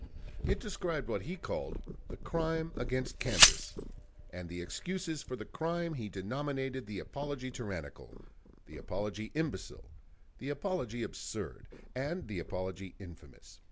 It described what he called "The Crime against Kansas"; and the excuses for the crime he denominated the apology tyrannical, the apology imbecile, the apology absurd, and the apology infamous.